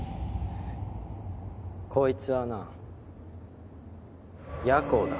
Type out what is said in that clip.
こいつはな夜行だ。